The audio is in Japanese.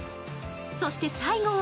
そして最後は